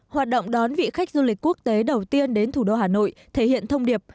hoạt động đón vị khách du lịch quốc tế đầu tiên đến thủ đô hà nội thể hiện thông điệp